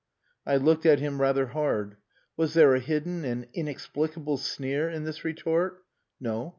I looked at him rather hard. Was there a hidden and inexplicable sneer in this retort? No.